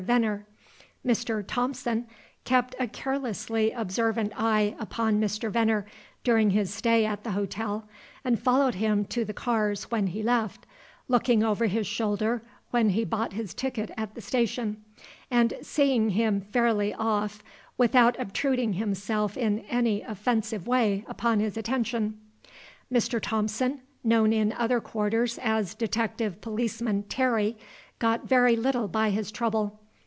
Venner." Mr. "Thompson" kept a carelessly observant eye upon Mr. Venner during his stay at the hotel, and followed him to the cars when he left, looking over his shoulder when he bought his ticket at the station, and seeing him fairly off without obtruding himself in any offensive way upon his attention. Mr. Thompson, known in other quarters as Detective Policeman Terry, got very little by his trouble.